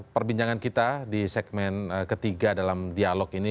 perbincangan kita di segmen ketiga dalam dialog ini